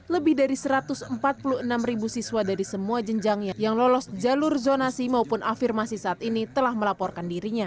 lebih dari satu ratus empat puluh enam ribu siswa dari semua jenjang yang lolos jalur zonasi maupun afirmasi saat ini telah melaporkan dirinya